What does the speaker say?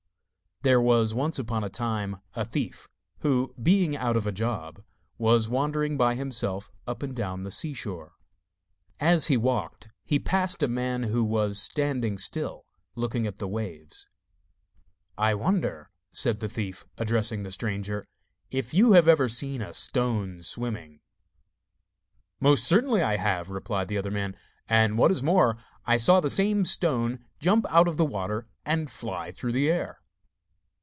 There was once upon a time a thief, who, being out of a job, was wandering by himself up and down the seashore. As he walked he passed a man who was standing still, looking at the waves. 'I wonder,' said the thief, addressing the stranger, 'if you have ever seen a stone swimming?' 'Most certainly I have,' replied the other man, 'and, what is more, I saw the same stone jump out of the water and fly through the air.